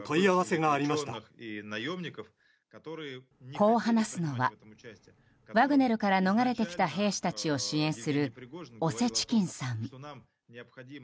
こう話すのはワグネルから逃れてきた兵士たちを支援するオセチキンさん。